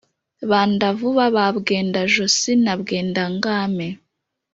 banda-vuba ba bwenda-josi na bwenda-ngame,